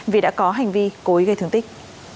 vì đã có hành vi cối gây thương tích